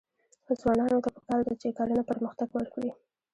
ځوانانو ته پکار ده چې، کرنه پرمختګ ورکړي.